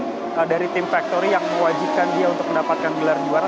tapi dia sudah memiliki faktori yang mewajibkan dia untuk mendapatkan gelar juara